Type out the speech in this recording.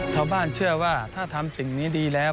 ชาวบ้านเชื่อว่าถ้าทำสิ่งนี้ดีแล้ว